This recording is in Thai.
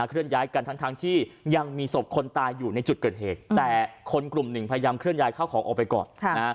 เลื่อนย้ายกันทั้งที่ยังมีศพคนตายอยู่ในจุดเกิดเหตุแต่คนกลุ่มหนึ่งพยายามเคลื่อนย้ายเข้าของออกไปก่อน